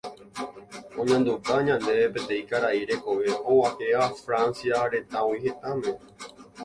Oñanduka ñandéve peteĩ karai rekove og̃uahẽva Francia retãgui hetãme